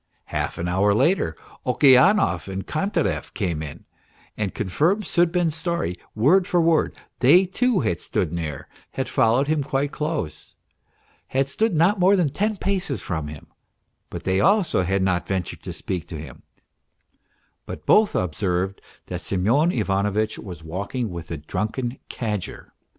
Half an hour later Okeanov and Kantarev came in and confirmed Sudbin's story, word for word ; they, too, had stood near, had followed him quite close, had stood not more than ten paces from him, but they also had not ventured to speak to him, but both ob served that Semyon Ivanovitch was walking with a drunken cadger.